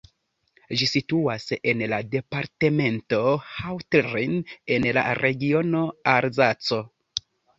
Ĝi situas en la departemento Haut-Rhin en la regiono Alzaco.